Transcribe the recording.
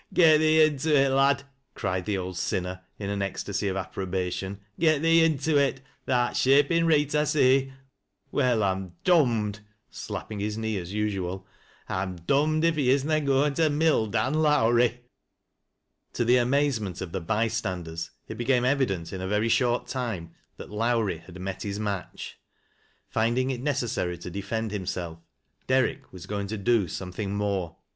"Get thee unto it, lad," cried the old sinner in an ecstasy of approbation, " Get thee unto it ! Tha'rt shapin' reet I see. Why, I'm dom'd," slapping his knee B8 usual —" I'm dom'd if he is na goin' to mill Dan Lowrie !" To She amazement of the bystanders, it Ijccanie eviden) TBE WAO^JB OP BATTLE. 7S ill a very short time, that Lowrie had met his match Finding it necessary to defend himself , Derridt was going to do something more.